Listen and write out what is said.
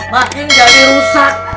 makin jadi rusak